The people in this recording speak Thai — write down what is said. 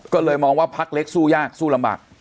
ก็เลยมองว่าพักเล็กสู้ยากสู้ลำบาก